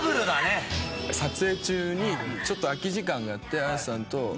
「撮影中にちょっと空き時間があって綾瀬さんと」